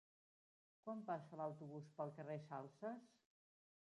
Quan passa l'autobús pel carrer Salses?